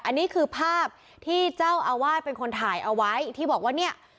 อันนี้คือภาพที่เจ้าอาวาสเป็นคนถ่ายเอาไว้ที่บอกว่าเนี่ย